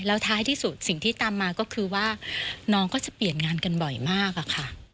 แล้วท้ายที่สุดสิ่งที่ตามมาก็คือว่าน้องก็จะเปลี่ยนงานกันบ่อยมากอะค่ะ